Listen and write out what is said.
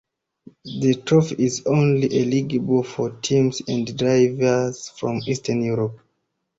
The trophy is only eligible for teams and drivers from Eastern Europe.